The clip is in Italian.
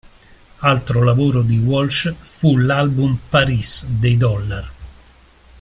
Altro lavoro di Walsh fu l'album "Paris" dei Dollar.